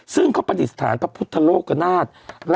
ซึ่งเขาประดิษฐานพระพุทธโลกนาฏ